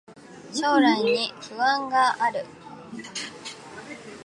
将来に不安がある